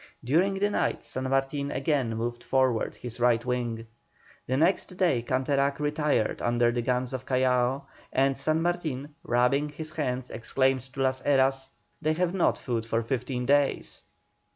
During the night San Martin again moved forward his right wing. The next day Canterac retired under the guns of Callao, and San Martin, rubbing his hands, exclaimed to Las Heras: "They are lost! They have not food for fifteen days!"